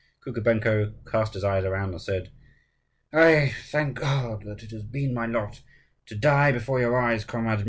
Kukubenko cast his eyes around, and said, "I thank God that it has been my lot to die before your eyes, comrades.